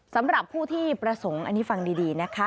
สำหรับผู้ที่ประสงค์อันนี้ฟังดีนะคะ